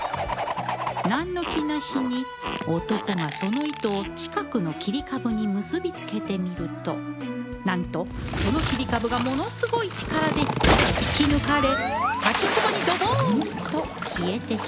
なんの気なしに男がその糸を近くの切り株に結びつけてみるとなんとその切り株がものすごい力で引き抜かれ滝つぼにドボーンと消えてしまった